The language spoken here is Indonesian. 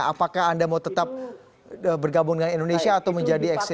apakah anda mau tetap bergabung dengan indonesia atau menjadi exis